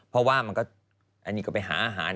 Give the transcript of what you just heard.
เพราะว่ามันก็อันนี้ก็ไปหาอาหาร